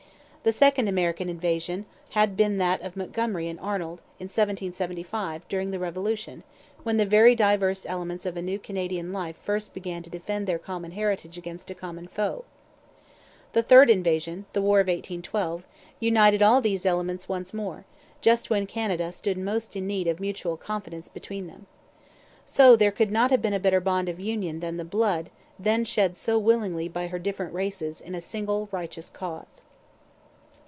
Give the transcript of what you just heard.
The second American invasion had been that of Montgomery and Arnold in 1775, during the Revolution, when the very diverse elements of a new Canadian life first began to defend their common heritage against a common foe. The third invasion the War of 1812 united all these elements once more, just when Canada stood most in need of mutual confidence between them. So there could not have been a better bond of union than the blood then shed so willingly by her different races in a single righteous cause.